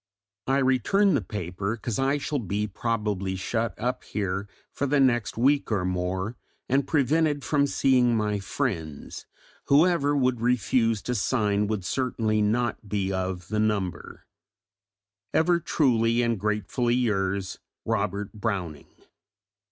I return the paper, because I shall be probably shut up here for the next week or more, and prevented from seeing my friends: whoever would refuse to sign would certainly not be of the number. Ever truly and gratefully yours, ROBERT BROWNING.